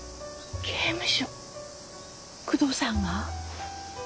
刑務所久遠さんが？